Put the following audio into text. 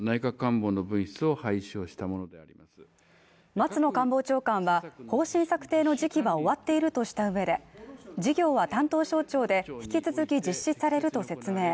松野官房長官は、方針策定の時期は終わっているとしたうえで事業は担当省庁で引き続き実施されると説明。